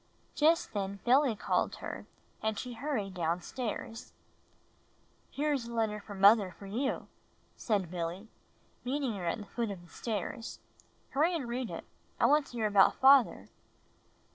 Just then Billy called her and she hurried down stairs. ''Here is a letter from mother for you," said Billy, meeting her at the foot of the stairs. "Hurry and read it. I want to hear about father."